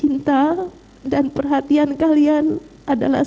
cinta dan perhatian kalian adalah